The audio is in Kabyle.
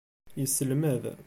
Yesselmad.